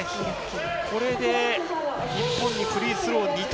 これで、日本にフリースロー２投。